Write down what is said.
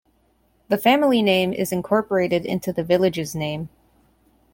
The family name is incorporated into the village's name.